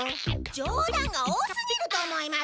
じょう談が多すぎると思います！